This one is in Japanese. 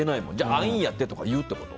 アイーンやってとか言うってこと？